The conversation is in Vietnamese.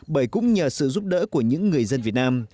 bởi cũng nhờ sự giúp đỡ của những người dân việt nam